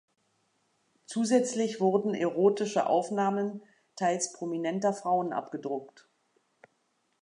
Zusätzlich wurden erotische Aufnahmen teils prominenter Frauen abgedruckt.